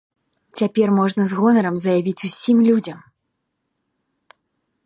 Цяпер можна з гонарам заявіць усім людзям.